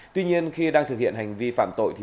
tuy nhiên khi đang thực hiện hành vi phạm tội